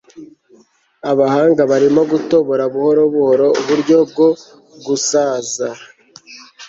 abahanga barimo gutobora buhoro buhoro uburyo bwo gusaza